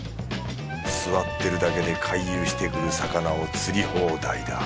座ってるだけで回遊してくる魚を釣り放題だ。